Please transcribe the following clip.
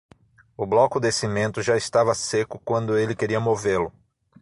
O bloco de cimento já estava seco quando ele queria movê-lo.